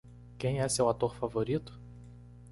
Quem é seu ator favorito?